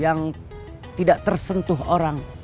yang tidak tersentuh orang